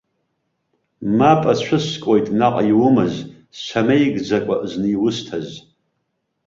Мап ацәыскуеит, наҟ иумаз самеигӡакәа зны иусҭаз.